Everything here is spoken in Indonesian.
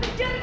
eh tante lah